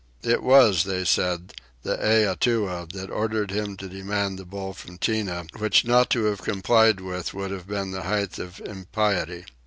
It was, they said, the Eatua that ordered him to demand the bull from Tinah, which not to have complied with would have been the height of impiety.